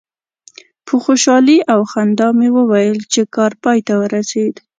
په خوشحالي او خندا مې وویل چې کار پای ته ورسید.